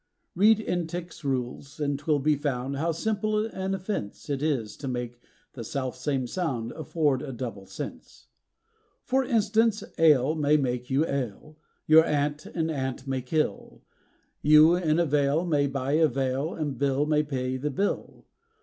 Read Entick's rules, and 'twill be found, how simple an offence It is to make the self same sound afford a double sense. For instance, ale may make you ail, your aunt an ant may kill, You in a vale may buy a veil and Bill may pay the bill.